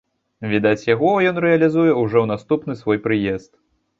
Відаць, яго ён рэалізуе ўжо ў наступны свой прыезд.